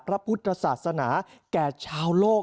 พระพุทธศาสนาแก่ชาวโลก